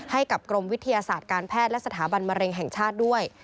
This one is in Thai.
ให้กับกรมวิทยาศาสตร์การแพทย์และสถาบันมะเร็งแห่งชาติด้วย